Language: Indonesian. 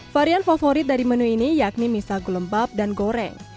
varian favorit dari menu ini yakni mie sagu lembab dan goreng